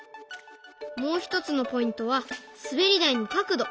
もう一つのポイントは滑り台の角度。